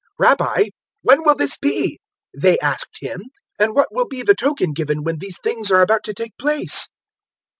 021:007 "Rabbi, when will this be?" they asked Him, "and what will be the token given when these things are about to take place?"